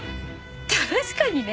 確かにね。